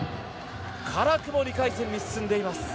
辛くも２回戦に進んでいます。